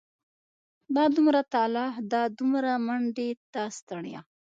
دا دومره تلاښ دا دومره منډې دا ستړيا.